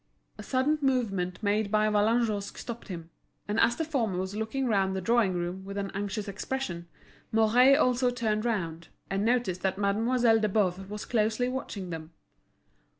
A sudden movement made by Vallagnosc stopped him; and as the former was looking round the drawing room with an anxious expression, Mouret also turned round, and noticed that Mademoiselle de Boves was closely watching them.